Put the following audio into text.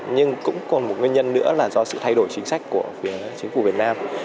nhưng cũng còn một nguyên nhân nữa là do sự thay đổi chính sách của phía chính phủ việt nam